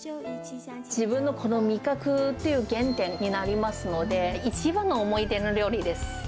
自分のこの味覚っていう原点になりますので、一番の思い出の料理です。